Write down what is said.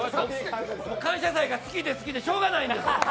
「感謝祭」が好きで好きでしょうがないんです！